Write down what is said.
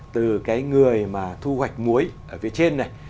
từ cái người mà thu hoạch muối ở phía trên này